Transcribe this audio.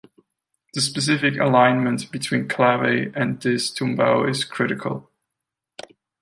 The specific alignment between clave and this tumbao is critical.